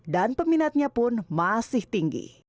dan peminatnya pun masih tinggi